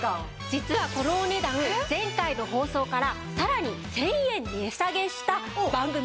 実はこのお値段前回の放送からさらに１０００円値下げした番組史上最安値です。